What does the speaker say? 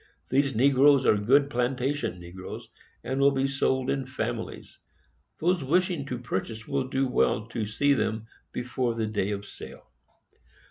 These Negroes are good Plantation Negroes, and will be sold in families. Those wishing to purchase will do well to see them before the day of sale.